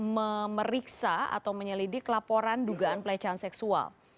memeriksa atau menyelidik laporan dugaan pelecehan seksual